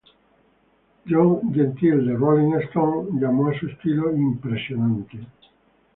John Gentile de "Rolling Stone" llamó a su estilo "impresionante".